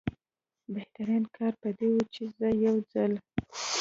بهترین کار به دا وي چې زه یو ځل.